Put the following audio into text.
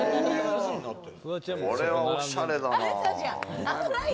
これはおしゃれだな。